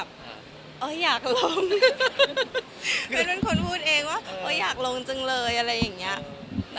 ก็จะมีแต่เพื่อนที่สนิทแบบมากอะไรอย่างเงี้ยค่ะ